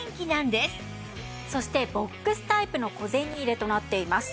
そしてボックスタイプの小銭入れとなっています。